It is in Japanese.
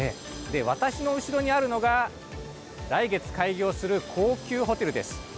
私の後ろにあるのが来月、開業する高級ホテルです。